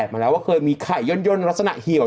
มาแล้วว่าเคยมีไข่ย่นลักษณะเหี่ยว